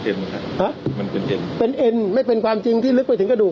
มันเป็นเอ็นเป็นเอ็นไม่เป็นความจริงที่ลึกไปถึงกระดูก